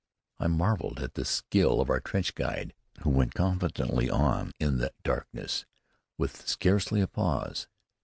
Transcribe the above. I marveled at the skill of our trench guide who went confidently on in the darkness, with scarcely a pause.